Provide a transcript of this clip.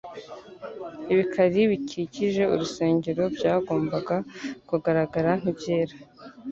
Ibikari bikikije urusengero byagombaga kugaragara nk'ibyera,